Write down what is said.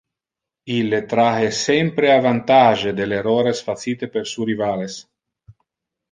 Ille trahe sempre avantage del errores facite per su rivales.